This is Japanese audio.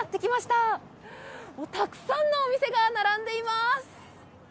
たくさんのお店が並んでいます。